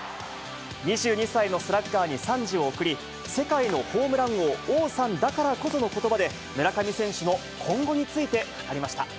２２歳のスラッガーに賛辞を送り、世界のホームラン王、王さんだからこそのことばで、村上選手の今後について語りました。